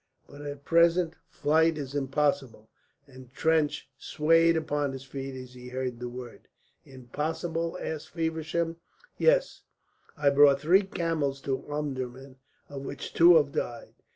But at present flight is impossible;" and Trench swayed upon his feet as he heard the word. "Impossible?" asked Feversham. "Yes. I brought three camels to Omdurman, of which two have died.